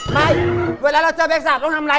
ไม่เวลาเราเจอเบ๊กสาวต้องทำอะไร